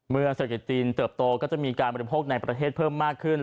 เศรษฐกิจจีนเติบโตก็จะมีการบริโภคในประเทศเพิ่มมากขึ้น